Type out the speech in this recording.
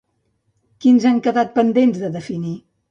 Quins han quedat pendents de definir?